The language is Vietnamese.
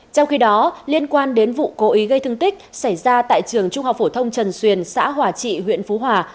trong khi đó liên quan đến vụ cố ý gây thương tích xảy ra tại trường trung học phổ thông trần xuyền xã hòa trị huyện phú hòa